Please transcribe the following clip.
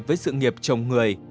với sự nghiệp chồng người